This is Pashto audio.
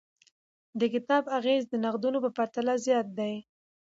د کتاب اغیز د نقدونو په پرتله زیات دی.